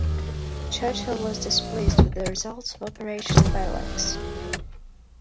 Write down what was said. Churchill was displeased with the results of Operation Battleaxe.